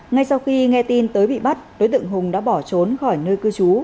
ngay sau khi nghe tin tới bị bắt đối tượng hùng đã bỏ trốn khỏi nơi cư trú